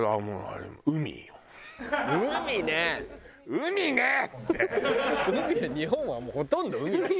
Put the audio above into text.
海日本はもうほとんど海。